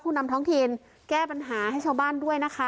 นำท้องถิ่นแก้ปัญหาให้ชาวบ้านด้วยนะคะ